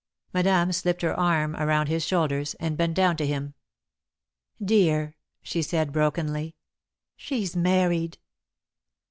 Madame slipped her arm around his shoulders, and bent down to him. "Dear," she said brokenly, "she's married."